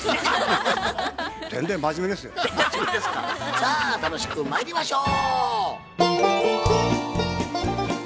さあ楽しくまいりましょう！